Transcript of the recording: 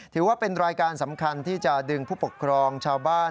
ถือว่าเป็นรายการสำคัญที่จะดึงผู้ปกครองชาวบ้าน